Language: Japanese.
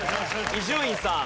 伊集院さん。